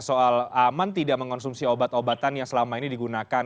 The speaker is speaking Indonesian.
soal aman tidak mengonsumsi obat obatan yang selama ini digunakan